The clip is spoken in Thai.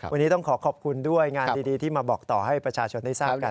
วันนี้ต้องขอขอบคุณด้วยงานดีที่มาบอกต่อให้ประชาชนได้ทราบกัน